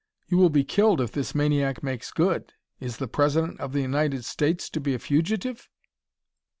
You will be killed if this maniac makes good. Is the President of the United States to be a fugitive?